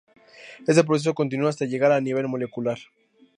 Este proceso continúa hasta llegar a nivel molecular.